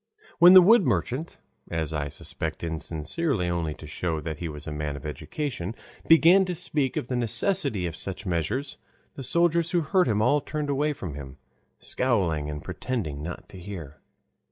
When the wood merchant, as I suspect insincerely only to show that he was a man of education, began to speak of the necessity of such measures, the soldiers who heard him all turned away from him, scowling and pretending not to hear.